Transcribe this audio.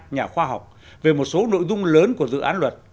nhà khoa học về một số nội dung lớn của dự án luật